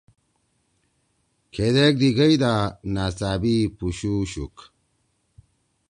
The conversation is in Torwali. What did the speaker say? کھیدیک دی گئیدا نأڅأبی پُوشُو شُوک۔